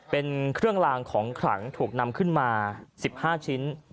เป็นเครื่องลางของขลังถูกนำขึ้นมา๑๕ชิ้น